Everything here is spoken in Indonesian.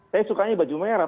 saya sukanya baju merah